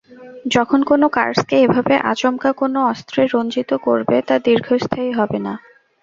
যখন কোনো কার্সকে এভাবে আচমকা কোনো অস্ত্রে রঞ্জিত করবে, তা দীর্ঘস্থায়ী হবে না।